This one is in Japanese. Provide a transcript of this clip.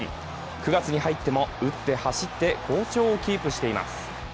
９月に入っても打って、走って、好調をキープしています。